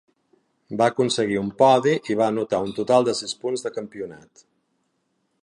Va aconseguir un podi, i va anotar un total de sis punts de campionat.